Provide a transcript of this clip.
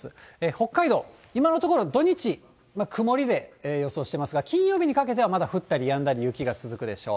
北海道、今のところ、土日、曇りで予想してますが、金曜日にかけてはまだ降ったりやんだり、雪が続くでしょう。